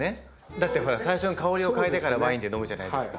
だってほら最初に香りを嗅いでからワインって飲むじゃないですか。